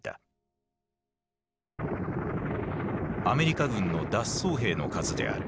アメリカ軍の脱走兵の数である。